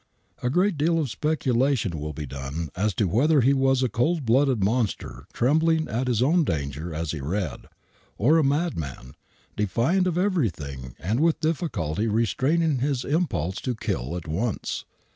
A great deal of speculation will be done as to whether he was a cold blooded monster trembling at his own danger as he read, or a madman,, defiant of everything and with difficulty restraining his impulse to kill at once.